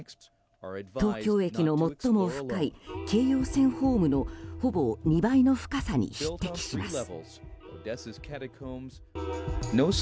東京駅の最も深い京葉線ホームのほぼ２倍の深さに匹敵します。